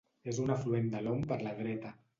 És un afluent de l'Om per la dreta.